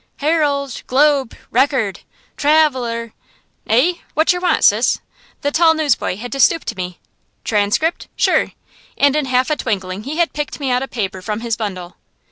"Herald, Globe, Record, Tra avel er! Eh? Whatcher want, sis?" The tall newsboy had to stoop to me. "Transcript? Sure!" And in half a twinkling he had picked me out a paper from his bundle.